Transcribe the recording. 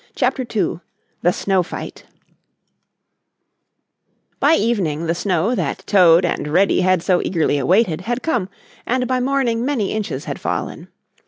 CHAPTER II THE SNOW FIGHT By evening the snow that Toad and Reddy had so eagerly awaited had come, and by morning many inches had fallen.